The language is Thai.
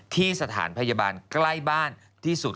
ที่สถานพยาบาลใกล้บ้านที่สุด